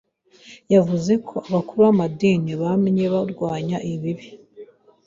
Yavuze ko abakuru b'amadini, bamye barwanya ibi